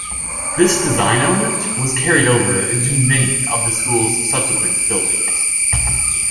This design element was carried over into many of the school's subsequent buildings.